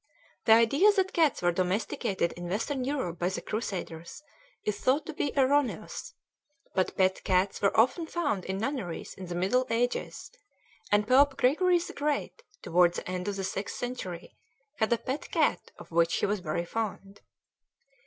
The idea that cats were domesticated in Western Europe by the Crusaders is thought to be erroneous; but pet cats were often found in nunneries in the Middle Ages, and Pope Gregory the Great, toward the end of the sixth century, had a pet cat of which he was very fond.